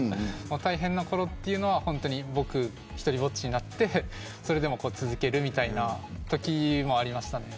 大変なころというのは僕独りぼっちになってそれでも続けるみたいなときもありましたね。